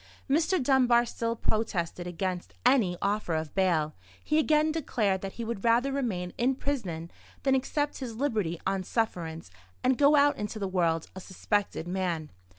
Mr. Dunbar still protested against any offer of bail; he again declared that he would rather remain in prison than accept his liberty on sufferance, and go out into the world a suspected man.